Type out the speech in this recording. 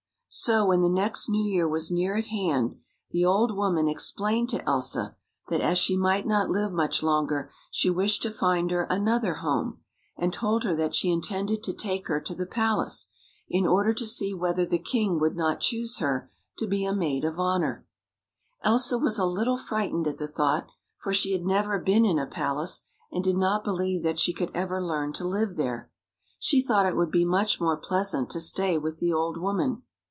So, when the next New Year was near at hand, the 9i THE FOREST FULL OF FRIENDS old woman explained to Elsa that, as she might not live much longer, she wished to find her another home, and told her that she intended to take her to the palace, in order to see whether the king would not choose her to be a maid of honor. Elsa was a little frightened at the thought, for she had never been in a palace, and did not believe that she could ever learn to live there. She thought it would be much more pleasant to stay with the old woman.